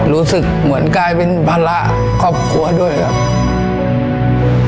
รู้สึกเหมือนกลายเป็นภาระครอบครัวด้วยครับ